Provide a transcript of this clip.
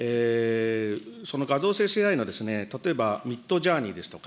その画像生成ＡＩの例えばミットジャーニーですとか、